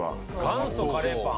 元祖カレーパン？